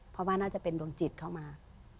เพราะว่าน่าจะเป็นดวงจิตเข้ามา